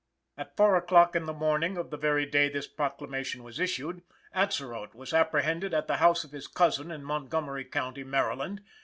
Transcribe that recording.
At four o'clock in the morning of the very day this proclamation was issued, Atzerodt was apprehended at the house of his cousin in Montgomery County, Md.